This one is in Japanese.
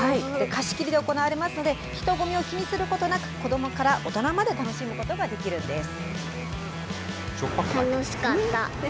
貸し切りで行われますので、人混みを気にすることなく、子どもから大人まで楽しむことができるんです。